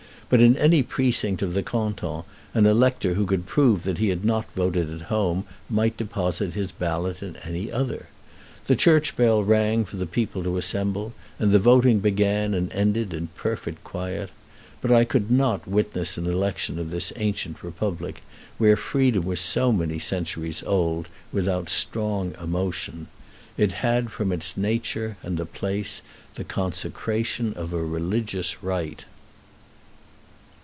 But in any precinct of the canton an elector who could prove that he had not voted at home might deposit his ballot in any other. The church bell rang for the people to assemble, and the voting began and ended in perfect quiet. But I could not witness an election of this ancient republic, where Freedom was so many centuries old, without strong emotion; it had from its nature and the place the consecration of a religious rite.